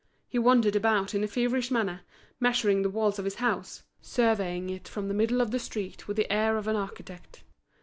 He wandered about in a feverish manner, measuring the walls of his house, surveying it from the middle of the street with the air of an architect.